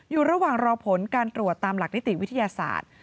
อยู่ระหว่างรอผลการตรวจตามหลักนิติวิทยาศาสตร์